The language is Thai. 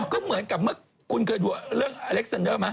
ก็เหมือนกับเมื่อคุณเคยดูเรื่องอเล็กซันเดอร์ไหม